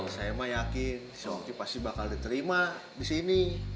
saya mah yakin shoki pasti bakal diterima di sini